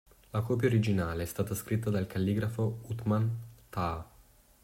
La copia originale è stata scritta dal calligrafo Uthman Taha.